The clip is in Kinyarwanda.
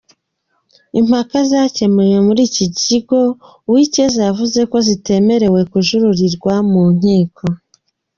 Impaka zakemuwe n’iki kigo, Uwicyeza yavuze ko zitemewe kujuririrwa mu nkiko.